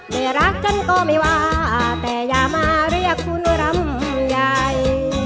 ไม่รักฉันก็ไม่ว่าแต่อย่ามาเรียกคุณรำใหญ่